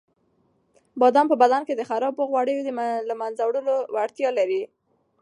بادام په بدن کې د خرابو غوړیو د له منځه وړلو وړتیا لري.